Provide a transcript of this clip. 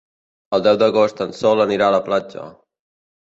El deu d'agost en Sol anirà a la platja.